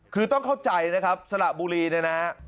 คือต้องเข้าใจนะครับสระบุรีเนี่ยนะฮะ